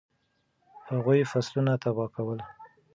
هغوی فصلونه تباه کول.